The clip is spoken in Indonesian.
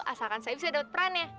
asalkan saya bisa dapat perannya